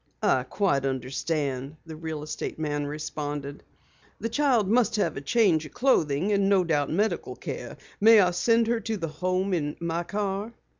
"I quite understand," the real estate man responded. "The child must have a change of clothing, and no doubt, medical care. May I send her to the Home in my car?"